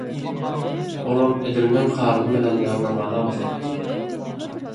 Olam edil meniň halymy bilen ýaly namaza başlapdyr.